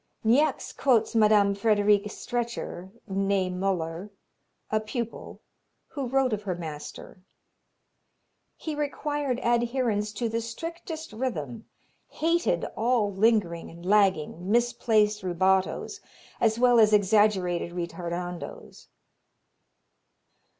Niecks quotes Mme. Friederike Stretcher, nee Muller, a pupil, who wrote of her master: "He required adherence to the strictest rhythm, hated all lingering and lagging, misplaced rubatos, as well as exaggerated ritardandos.